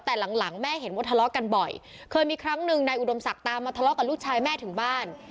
แต่หลังแม่เห็นว่าทะเลาะกันบ่อยเคยมีครั้งหนึ่งนายอุดมศักดิ์ตามมาทะเลาะกับลูกชายแม่ถึงบ้าน